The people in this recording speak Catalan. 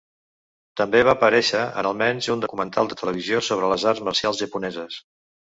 També va aparèixer en al menys un documental de televisió sobre les arts marcials japoneses.